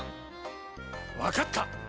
わかった。